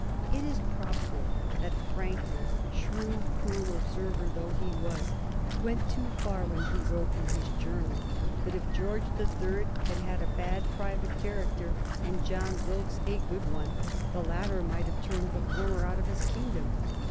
It is probable that Franklin, shrewd, cool observer though he was, went too far when he wrote in his journal that if George the Third had had a bad private character, and John Wilkes a good one, the latter might have turned the former out of his kingdom.